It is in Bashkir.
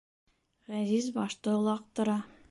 Ғәзиз башты олаҡтыра.